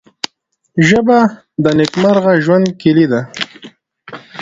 ژبه د نیکمرغه ژوند کلۍ ده